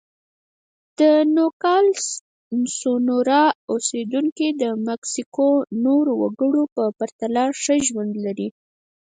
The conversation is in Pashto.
د نوګالس سونورا اوسېدونکي د مکسیکو نورو وګړو په پرتله ښه ژوند لري.